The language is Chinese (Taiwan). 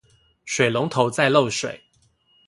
水龍頭在漏水